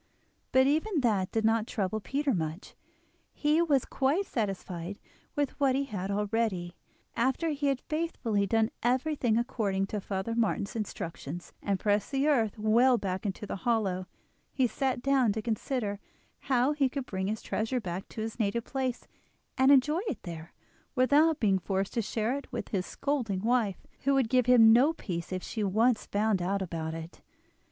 But even that did not trouble Peter much; he was quite satisfied with what he had already. After he had faithfully done everything according to Father Martin's instructions, and pressed the earth well back into the hollow, he sat down to consider how he could bring his treasure back to his native place, and enjoy it there, without being forced to share it with his scolding wife, who would give him no peace if she once found out about it.